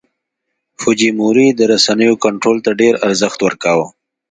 فوجیموري د رسنیو کنټرول ته ډېر ارزښت ورکاوه.